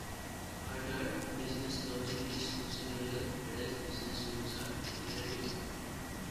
Further, business logic is procedural whereas business rules are declarative.